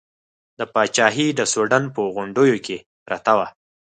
دا پاچاهي د سوډان په غونډیو کې پرته وه.